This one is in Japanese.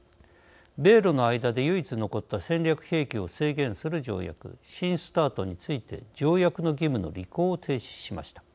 米ロの間で唯一残った戦略兵器を制限する条約新ＳＴＡＲＴについて条約の義務の履行を停止しました。